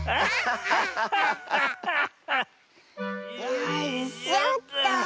よいしょっと。